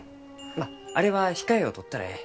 まああれは控えをとったらえい。